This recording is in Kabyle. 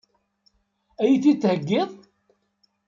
Ad iyi-t-id-theggiḍ?